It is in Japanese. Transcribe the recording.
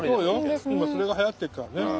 今それがはやってるからね。